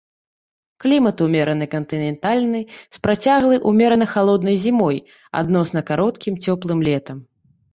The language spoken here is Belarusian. Клімат умерана кантынентальны з працяглай умерана халоднай зімой, адносна кароткім цёплым летам.